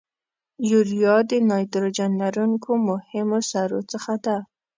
یوریا د نایتروجن لرونکو مهمو سرو څخه ده.